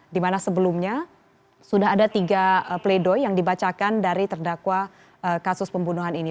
dimana sebelumnya sudah ada tiga pledoi yang dibacakan dari terdakwa kasus pembunuhan ini